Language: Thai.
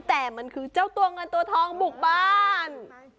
แต่มันคือเจ้าตัวเงินตัวทองบุกบ้าน